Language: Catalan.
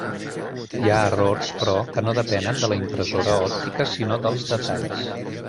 Hi ha errors, però, que no depenen de la impressora òptica, sinó dels detalls.